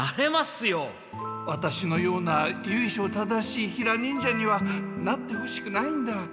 ワタシのようなゆいしょ正しいヒラ忍者にはなってほしくないんだ。